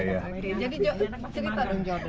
jadi cerita dong jodho